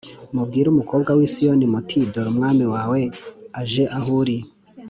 “Mubwire umukobwa w’i Siyoni muti ‘Dore umwami wawe aje aho uri